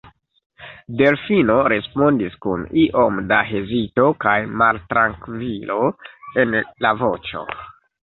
Delfino respondis kun iom da hezito kaj maltrankvilo en la voĉo.